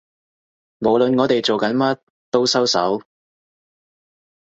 無論我哋做緊乜都收手